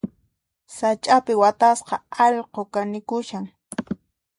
Sach'api watasqa allqu kanikushan.